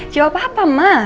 jawab apa ma